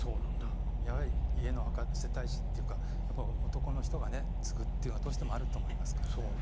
家のお墓、世帯主というか男の人が継ぐというのがどうしてもあると思いますから。